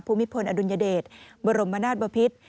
ภูมิพลอดุลยเดชบรมนาศบพิษ